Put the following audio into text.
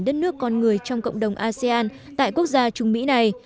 đất nước con người trong cộng đồng asean tại quốc gia trung mỹ này